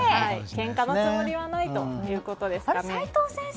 けんかのつもりはないということです。